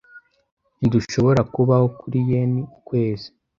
Ntidushobora kubaho kuri yen ukwezi .